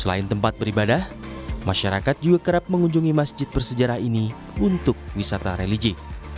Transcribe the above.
selain tempat beribadah masyarakat juga kerap mengunjungi masjid bersejarah ini untuk wisata religi